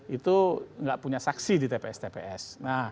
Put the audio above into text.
itu nggak punya saksi di tps tps